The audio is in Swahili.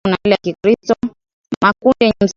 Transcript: makundi yenye msimamo wa kiislamu na yale ya kikristo